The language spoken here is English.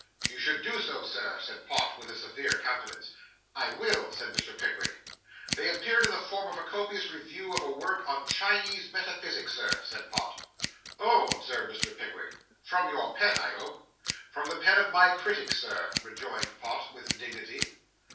'You should do so, Sir,' said Pott, with a severe countenance. 'I will,' said Mr. Pickwick. 'They appeared in the form of a copious review of a work on Chinese metaphysics, Sir,' said Pott. 'Oh,' observed Mr. Pickwick; 'from your pen, I hope?' 'From the pen of my critic, Sir,' rejoined Pott, with dignity.